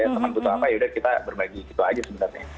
teman butuh apa yaudah kita berbagi gitu aja sebenarnya